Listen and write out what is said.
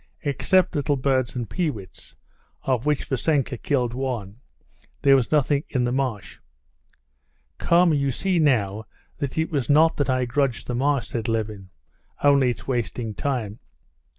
Except little birds and peewits, of which Vassenka killed one, there was nothing in the marsh. "Come, you see now that it was not that I grudged the marsh," said Levin, "only it's wasting time."